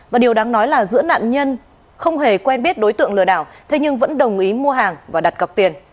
và điều đáng nói là giữa nạn nhân không hề quen biết đối tượng lừa đảo thế nhưng vẫn đồng ý mua hàng và đặt cọc tiền